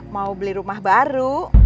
mau beli rumah baru